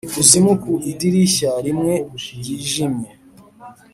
ikuzimu ku idirishya rimwe ryijimye;